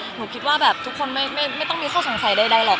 หนูคิดว่าแบบทุกคนไม่ต้องมีข้อสงสัยใดหรอก